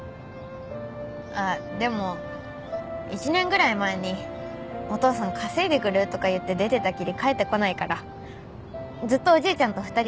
あっでも１年ぐらい前にお父さん稼いでくるとか言って出てったきり帰ってこないからずっとおじいちゃんと２人でした。